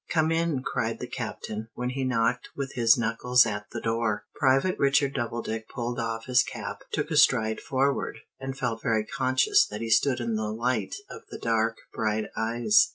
"Come in!" cried the Captain, when he knocked with his knuckles at the door. Private Richard Doubledick pulled off his cap, took a stride forward, and felt very conscious that he stood in the light of the dark, bright eyes.